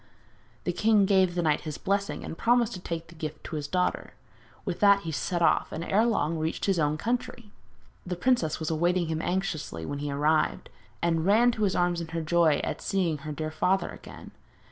The king gave the knight his blessing, and promised to take the gift to his daughter. With that he set off, and ere long reached his own country. The princess was awaiting him anxiously when he arrived, and ran to his arms in her joy at seeing her dear father again.